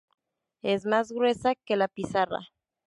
Es más gruesa que la pizarra.